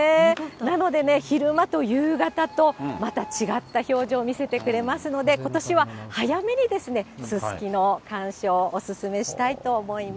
なのでね、昼間と夕方と、また違った表情を見せてくれますので、ことしは早めに、すすきの観賞、お勧めしたいと思います。